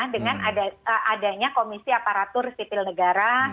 dengan adanya komisi aparatur sipil negara